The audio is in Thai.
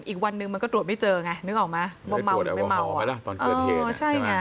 อีกวันนึงมันก็ตรวจไม่เจอไงนึกออกไหม